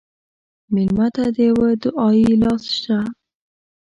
مېلمه ته د یوه دعایي لاس شه.